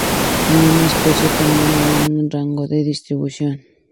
Es una especie común en su rango de distribución.